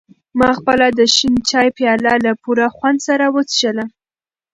ما خپله د شین چای پیاله له پوره خوند سره وڅښله.